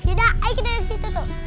yaudah ayo kita ke situ tuh